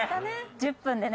１０分でね